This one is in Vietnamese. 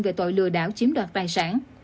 về tội lừa đảo chiếm đoạt tài sản